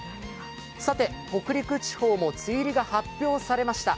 北陸地方も梅雨入りが発表されました。